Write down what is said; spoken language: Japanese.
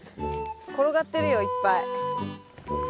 転がってるよいっぱい。